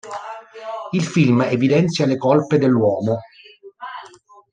Il film evidenzia le colpe dell'uomo.